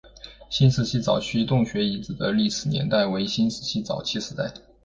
新石器早期洞穴遗址的历史年代为新石器时代早期。